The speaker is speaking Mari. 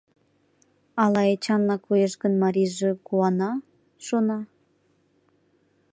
Ала Эчанла коеш гын, марийже куана, шона.